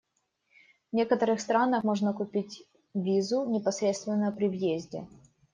В некоторых странах можно купить визу непосредственно при въезде.